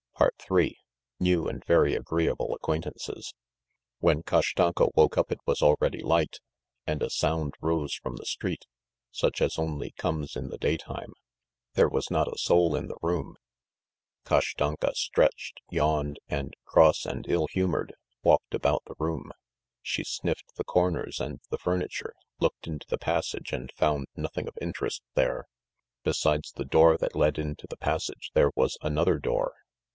... III New and Very Agreeable Acquaintances When Kashtanka woke up it was already light, and a sound rose from the street, such as only comes in the day time. There was not a soul in the room. Kashtanka stretched, yawned and, cross and ill humoured, walked about the room. She sniffed the corners and the furniture, looked into the passage and found nothing of interest there. Besides the door that led into the passage there was another door.